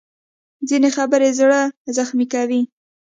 ځینې خبرې زړه زخمي کوي